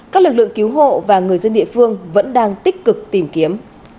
các lực lượng cứu hộ và người dân địa phương vẫn đang tích cực tìm kiếm